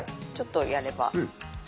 ちょっとやれば。